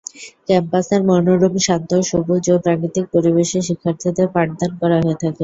ক্যাম্পাসের মনোরম, শান্ত, সবুজ ও প্রাকৃতিক পরিবেশে শিক্ষার্থীদের পাঠদান করা হয়ে থাকে।